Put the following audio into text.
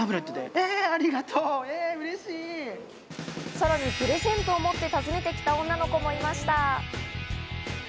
さらにプレゼントを持って訪ねてきてくれた女の子もいました。